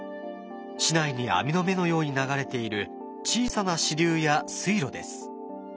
市内に網の目のように流れている小さな支流や水路です。